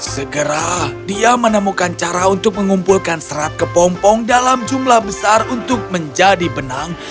segera dia menemukan cara untuk mengumpulkan serat kepompong dalam jumlah besar untuk menjadi benang